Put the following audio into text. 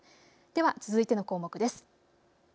では続いての項目です。